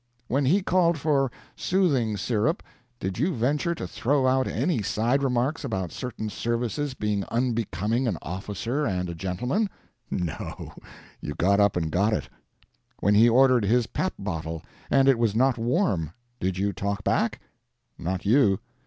When he called for soothing syrup, did you venture to throw out any side remarks about certain services being un becoming an officer and a gentleman ? No. You got up and got it. When he ordered his pap bottle and it was not warm, did you talk back? Not you.